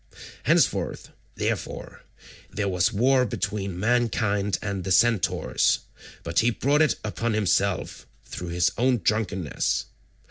Henceforth, therefore, there was war between mankind and the centaurs, but he brought it upon himself through his own drunkenness.